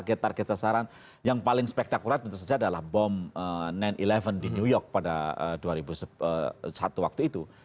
target target sasaran yang paling spektakurat tentu saja adalah bom sembilan sebelas di new york pada dua ribu satu waktu itu